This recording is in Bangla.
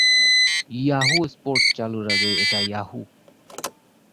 ইয়াহু স্পোর্টস চালুর আগে এটা ইয়াহু!